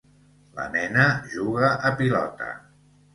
La nena juga a pilota